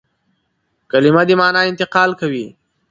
کلیمه د مانا انتقال کوي.